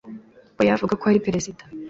oya vuga ko ari Perezida,